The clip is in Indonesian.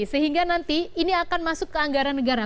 sehingga nanti ini akan masuk ke anggaran negara